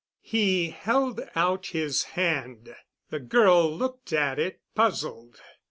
He held out his hand. The girl looked at it, puzzled.